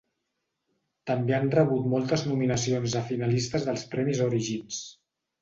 També han rebut moltes nominacions a finalistes dels premis Origins.